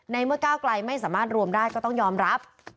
เมื่อก้าวไกลไม่สามารถรวมได้ก็ต้องยอมรับ